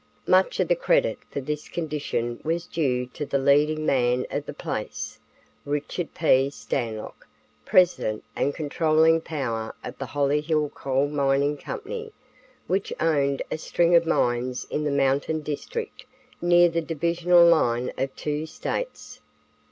Much of the credit for this condition was due to the leading man of the place, Richard P. Stanlock, president and controlling power of the Hollyhill Coal Mining company, which owned a string of mines in the mountain district near the divisional line of two states.